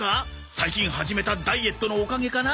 最近始めたダイエットのおかげかな？